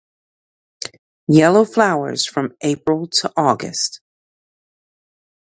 Yellow flowers from April to August.